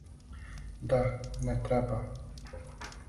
Да, не треба.